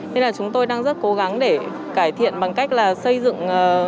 nên là chúng tôi đang rất cố gắng để cải thiện bằng cách là xây dựng